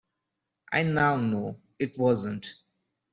I now know it wasn't.